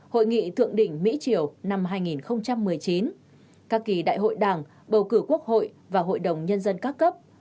hội nghị thượng đỉnh mỹ triều năm hai nghìn một mươi chín các kỳ đại hội đảng bầu cử quốc hội và hội đồng nhân dân các cấp